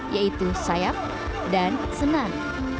yaitu sayap dan senan